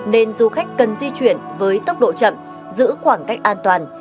nên du khách cần di chuyển với tốc độ chậm giữ khoảng cách an toàn